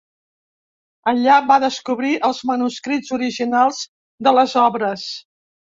Allà va descobrir els manuscrits originals de les obres.